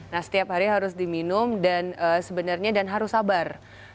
nah setiap hari harus diminum dan sebenarnya dan harus sabar